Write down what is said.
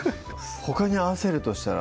ほかに合わせるとしたら？